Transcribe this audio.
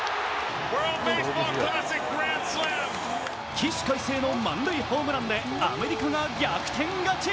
起死回生の満塁ホームランでアメリカが逆転勝ち。